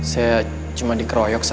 saya cuma dikeroyok sama